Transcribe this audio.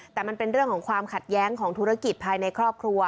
แต่มันเป็นเรื่องของความขัดแย้งของธุรกิจภายในครอบครัว